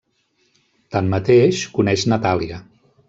Tanmateix, coneix Natàlia.